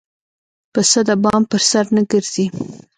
پسه د بام پر سر نه ګرځي.